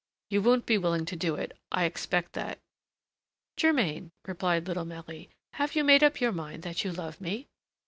You won't be willing to do it, I expect that." "Germain," replied little Marie, "have you made up your mind that you love me?"